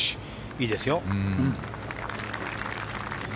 いいですよ。